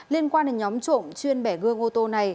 liên quan đến nhóm trộm chuyên bẻ gương ô tô này